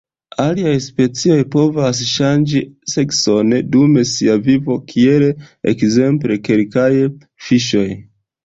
Aliaj specioj povas ŝanĝi sekson dum sia vivo, kiel ekzemple kelkaj fiŝoj.